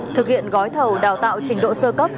thực hiện gói thầu đào tạo trình độ sơ cấp